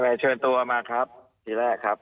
เชิญตัวมาครับทีแรกครับ